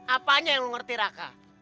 apanya yang lu ngerti raka